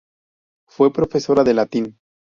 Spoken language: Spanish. Fue profesora de latín.